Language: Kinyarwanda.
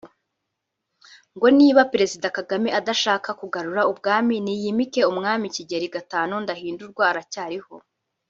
ngo niba Perezida Kagame ashaka kugarura ubwami niyimike Umwami Kigeli V Ndahindurwa aracyariho